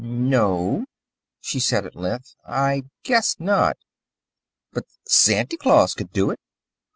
"No," she said at length, "I guess not. But Santy Claus could do it.